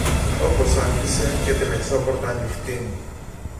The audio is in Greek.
Όπως άφησε και την εξώπορτα ανοιχτή